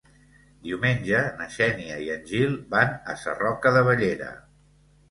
Diumenge na Xènia i en Gil van a Sarroca de Bellera.